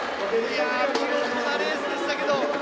見事なレースでしたけど。